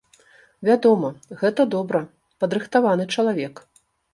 Вядома, гэта добра, падрыхтаваны чалавек.